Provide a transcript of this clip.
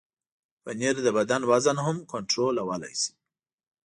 پنېر د بدن وزن هم کنټرولولی شي.